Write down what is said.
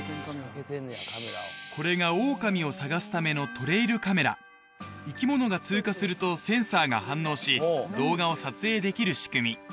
これがオオカミを探すための生き物が通過するとセンサーが反応し動画を撮影できる仕組み